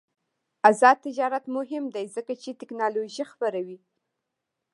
آزاد تجارت مهم دی ځکه چې تکنالوژي خپروي.